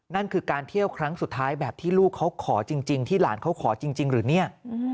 นั่นคือการเที่ยวครั้งสุดท้ายแบบที่ลูกเขาขอจริงที่หลานเขาขอจริงหรือเนี่ย